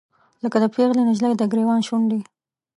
لکه د پیغلې نجلۍ، دګریوان شونډې